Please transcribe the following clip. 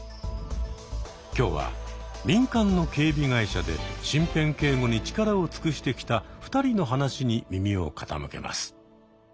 今日は民間の警備会社で身辺警護に力を尽くしてきた２人の話に耳を傾けます。